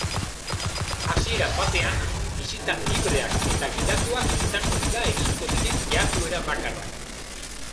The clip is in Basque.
Hasiera batean, bisita libreak eta gidatuak izango dira egingo diren jarduera bakarrak.